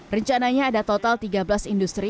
rencananya ada total tiga belas industri